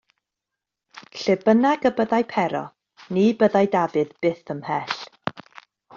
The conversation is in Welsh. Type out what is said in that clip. Lle bynnag y byddai Pero, ni byddai Dafydd byth ymhell.